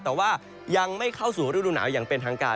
แต่ว่ายังไม่เข้าสู่ฤดูหนาวอย่างเป็นทางการ